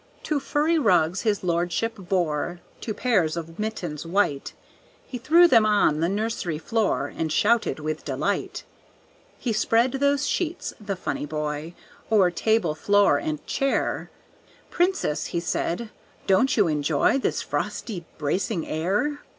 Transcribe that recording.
Two furry rugs his lordship bore, Two pairs of mittens white; He threw them on the nursery floor And shouted with delight. He spread those sheets the funny boy O'er table, floor, and chair. "Princess," said he, "don't you enjoy This frosty, bracing air?